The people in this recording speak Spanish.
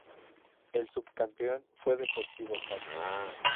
El subcampeón fue Deportivo Cali.